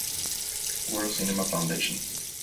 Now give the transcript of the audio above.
World Cinema Foundation.